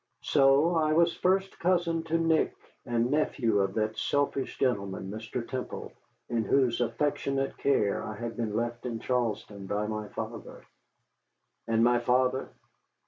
So I was first cousin to Nick, and nephew to that selfish gentleman, Mr. Temple, in whose affectionate care I had been left in Charlestown by my father. And my father?